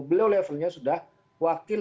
beliau levelnya sudah wakil